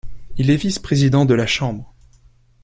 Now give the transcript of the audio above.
Il est vice-président de la Chambre.